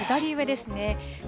まず左上ですね。